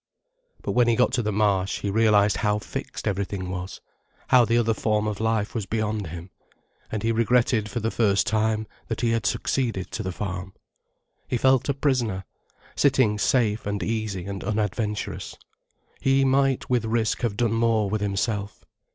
But when he got to the Marsh, he realized how fixed everything was, how the other form of life was beyond him, and he regretted for the first time that he had succeeded to the farm. He felt a prisoner, sitting safe and easy and unadventurous. He might, with risk, have done more with himself.